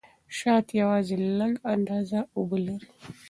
شات یوازې لږه اندازه اوبه لري.